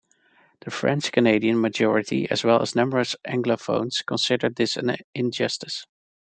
The French-Canadian majority as well as numerous anglophones considered this an injustice.